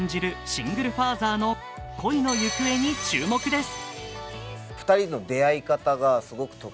シングルファーザーの恋の行方に注目です。